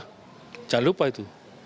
jangan lupa itu